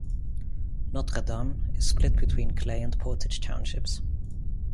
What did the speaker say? Notre Dame is split between Clay and Portage Townships.